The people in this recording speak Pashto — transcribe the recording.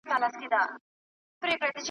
هلته مي هم نوي جامې په تن کي نه درلودې .